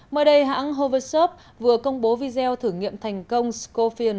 mới đây hãng hover shop vừa công bố video thử nghiệm thành công scorpion ba